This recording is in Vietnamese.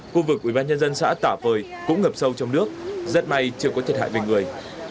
khu vực ủy ban nhân dân xã tả phời cũng ngập sâu trong nước rất may chưa có thiệt hại về người